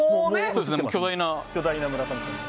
巨大な村上さんが。